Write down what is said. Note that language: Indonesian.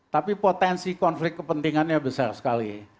tapi potensi konflik kepentingannya besar sekali